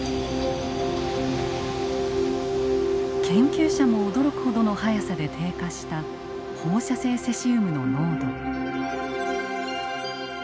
研究者も驚くほどの速さで低下した放射性セシウムの濃度。